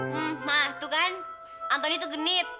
hmm mah tuh kan antoni tuh genit